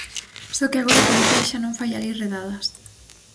Só que agora a policía xa non fai alí redadas.